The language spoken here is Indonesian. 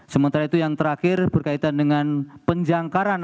sementara itu yang terakhir berkaitan dengan penjangkaran